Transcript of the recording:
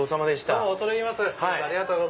どうも恐れ入ります。